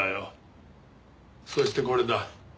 そしてこれだ。